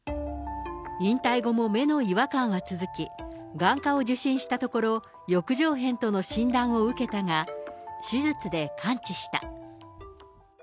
引退後も目の違和感は続き、眼科を受診したところ、翼状片との診断を受けたが、手術で完治した。